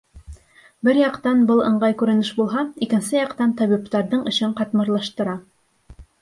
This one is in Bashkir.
Бер яҡтан был ыңғай күренеш булһа, икенсе яҡтан табиптарҙың эшен ҡатмарлаштыра.